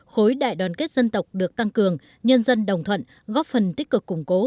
khối đại đoàn kết dân tộc được tăng cường nhân dân đồng thuận góp phần tích cực củng cố